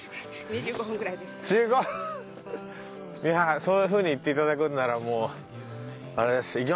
いやそういうふうに言って頂くんならもうあれです。